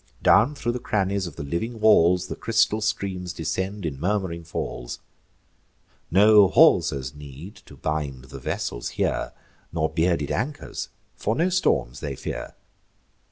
Down thro' the crannies of the living walls The crystal streams descend in murm'ring falls: No haulsers need to bind the vessels here, Nor bearded anchors; for no storms they fear.